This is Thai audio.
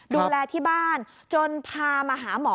ดูแลที่บ้านจนพามาหาหมอ